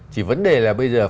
chỉ vấn đề là bây giờ